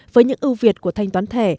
với những ưu việt của thanh toán thẻ